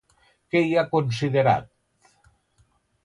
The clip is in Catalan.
Què hi ha considerat?